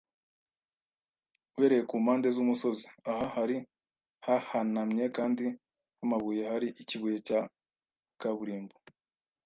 Uhereye ku mpande z'umusozi, aha hari hahanamye kandi h'amabuye, hari ikibuye cya kaburimbo